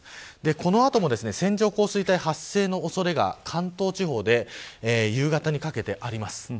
この後も線状降水帯発生の恐れが、関東地方で夕方にかけてあります。